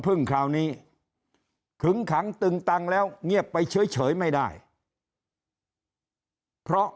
คราวนี้ขึงขังตึงตังแล้วเงียบไปเฉยไม่ได้เพราะ